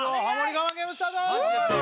我慢ゲームスタート！